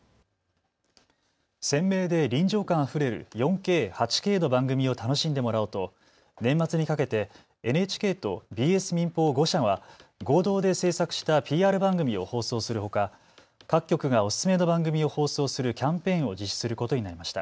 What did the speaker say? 鮮明で臨場感あふれる４Ｋ・８Ｋの番組を楽しんでもらおうと年末にかけてＮＨＫとＢＳ民放５社は合同で制作したＰＲ番組を放送するほか各局がお勧めの番組を放送するキャンペーンを実施することになりました。